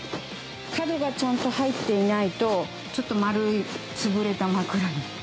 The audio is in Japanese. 角がちゃんと入っていないと、ちょっと丸い、潰れた枕に。